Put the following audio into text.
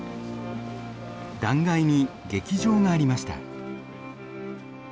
断崖に劇場がありました。